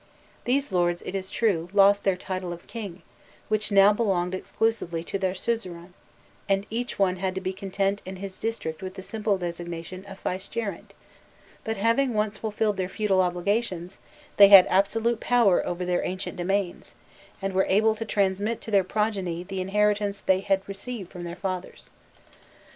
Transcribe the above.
These lords, it is true, lost their title of king, which now belonged exclusively to their suzerain, and each one had to be content in his district with the simple designation of "vicegerent;" but having once fulfilled their feudal obligations, they had absolute power over their ancient domains, and were able to transmit to their progeny the inheritance they had received from their fathers.